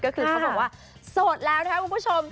ก็คือเขาบอกว่าโสดแล้วนะคะคุณผู้ชม